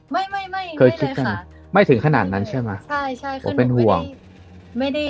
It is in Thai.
ไม่ไม่เลยค่ะไม่ถึงขนาดนั้นใช่ไหมใช่คือหนูไม่ได้